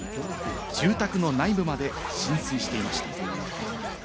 住宅の内部まで浸水していました。